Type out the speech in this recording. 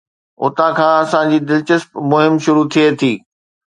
اتان کان اسان جي دلچسپ مهم شروع ٿئي ٿي.